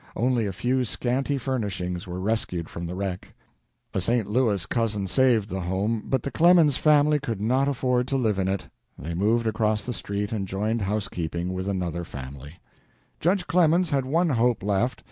Only a few scanty furnishings were rescued from the wreck. A St. Louis cousin saved the home, but the Clemens family could not afford to live in it. They moved across the street and joined housekeeping with another family. Judge Clemens had one hope left.